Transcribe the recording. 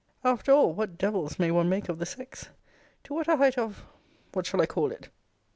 After all, what devils may one make of the sex! To what a height of what shall I call it?